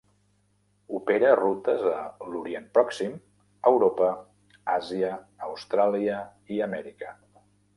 Opera rutes a l'Orient Pròxim, Europa, Àsia, Austràlia i Amèrica.